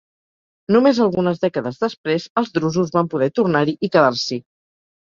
Només algunes dècades després els drusos van poder tornar-hi i quedar-s'hi.